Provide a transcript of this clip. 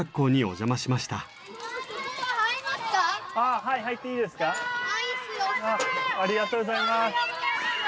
ありがとうございます。